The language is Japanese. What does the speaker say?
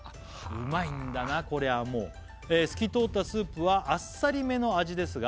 うまいんだなこりゃもう「透き通ったスープはあっさりめの味ですが」